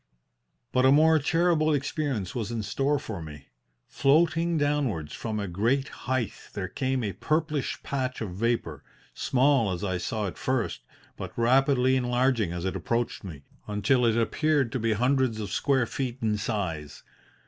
"But a more terrible experience was in store for me. Floating downwards from a great height there came a purplish patch of vapour, small as I saw it first, but rapidly enlarging as it approached me, until it appeared to be hundreds of square feet in size.